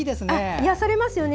癒やされますよね